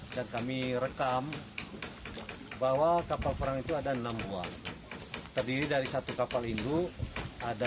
dan kami rekam bahwa kapal perang itu ada enam buah terdiri dari satu kapal induk ada